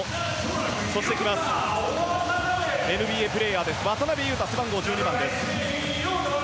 そしてＮＢＡプレーヤー渡邊雄太、背番号１２番です。